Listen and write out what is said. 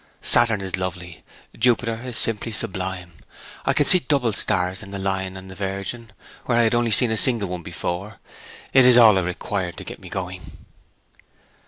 'Saturn is lovely; Jupiter is simply sublime; I can see double stars in the Lion and in the Virgin, where I had seen only a single one before. It is all I required to set me going!'